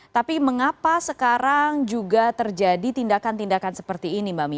tapi mengapa sekarang juga terjadi tindakan tindakan seperti ini mbak mi